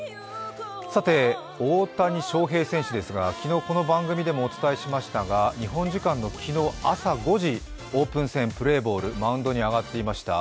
さて、大谷翔平選手ですが、昨日、この番組でもお伝えしましたが日本時間の昨日朝５時、オープン戦プレーボールマウンドに上がっていました。